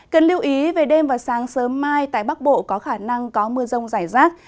cần lưu ý về đêm và sáng sớm mai tại bắc bộ có khả năng có mưa rông rải rác